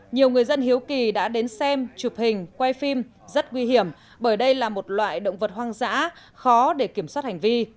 nhiều người dân hiếu kỳ đã đến xem chụp hình quay phim rất nguy hiểm bởi đây là một loại động vật hoang dã khó để kiểm soát hành vi